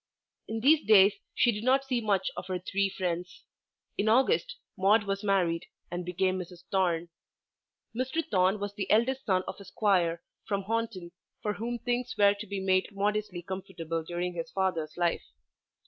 In these days she did not see much of her three friends. In August Maude was married and became Mrs. Thorne. Mr. Thorne was the eldest son of a Squire from Honiton for whom things were to be made modestly comfortable during his father's life.